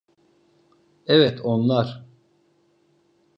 Evet, onlar.